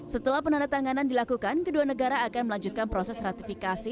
setelah penandatanganan dilakukan kedua negara akan melanjutkan proses ratifikasi